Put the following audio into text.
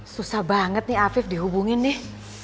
susah banget nih afif dihubungin nih